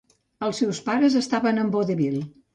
Els seus pares estaven en vodevil.